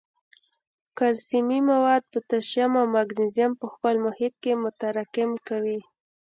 کلسیمي مواد، پوټاشیم او مګنیزیم په خپل محیط کې متراکم کوي.